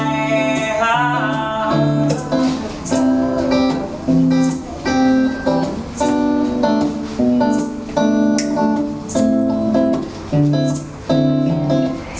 แผลไม่มีเธอ